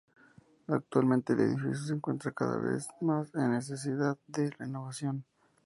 Actualmente el edificio se encuentra cada vez más en necesidad de renovación.